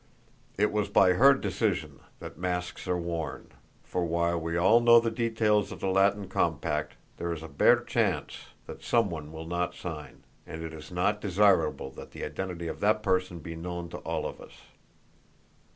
"It was by her decision that masks are worn, for, while we all know the details of the Latin compact, there is a bare chance that some one will not sign, and it is not desirable that the identity of that person be known to all of us.